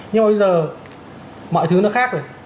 nhưng mà bây giờ mọi thứ nó khác rồi